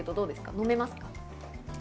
飲めますか？